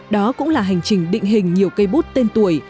đó cũng là hành trình định hình nhiều cây bút tên tuổi